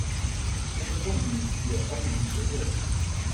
這份共筆也歡迎協作